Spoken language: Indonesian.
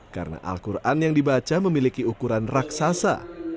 karena al quran yang dibaca memiliki ukuran raksasa